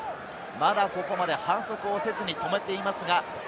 まだここまで反則をせずに止めています。